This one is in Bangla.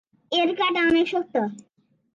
এর কাটা অনেক শক্ত।